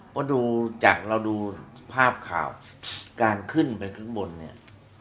เพราะดูจากเราดูภาพข่าวการขึ้นไปข้างบนเนี่ย